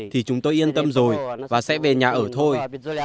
thì chúng tôi yên tâm rồi và sẽ về nhà ở thôi